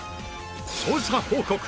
捜査報告！